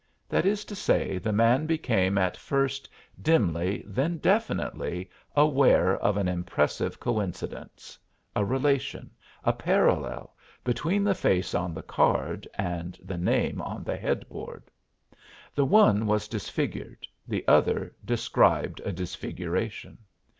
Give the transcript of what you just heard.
That is to say, the man became at first dimly, then definitely, aware of an impressive coincidence a relation a parallel between the face on the card and the name on the headboard. The one was disfigured, the other described a disfiguration.